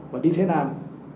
và đi thế nào